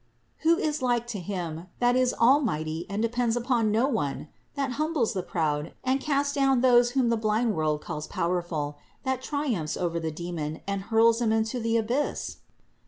Who is like to Him, that is almighty and depends upon no one ? that humbles the proud, and casts down those whom the blind world calls powerful, that triumphs over the demon and hurls him to the abyss?